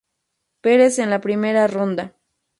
Perez en la primera ronda.